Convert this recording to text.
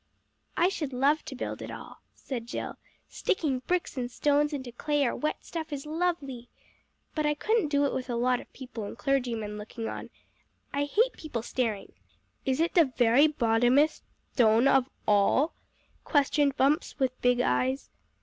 "I should love to build it all," said Jill. "Sticking bricks and stones into clay or wet stuff is lovely! But I couldn't do it with a lot of people and clergymen looking on. I hate people staring!" "Is it the very bottomest thtone of all?" questioned Bumps with big eyes.